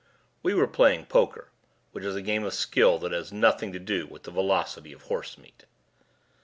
We were playing poker, which is a game of skill that has nothing to do with the velocity of horse meat.